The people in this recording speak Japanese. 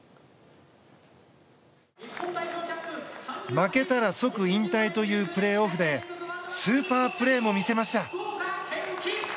負けたら即引退というプレーオフでスーパープレーも見せました。